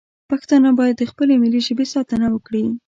پښتانه باید د خپلې ملي ژبې ساتنه وکړي